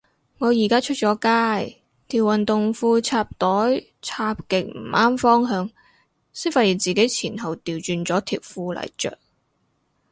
我而家出咗街，條運動褲插袋插極唔啱方向，先發現自己前後掉轉咗條褲嚟着